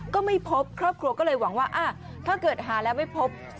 ก็ไม่พบครอบครัวก็เลยหวังว่าถ้าเกิดหาแล้วไม่พบ